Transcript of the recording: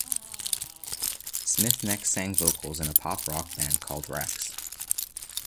Smith next sang vocals in a pop rock band called Rex.